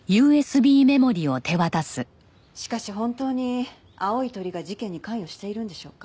しかし本当に青い鳥が事件に関与しているんでしょうか？